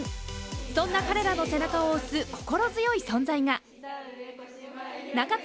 そんな彼らの背中を押す心強い存在が中津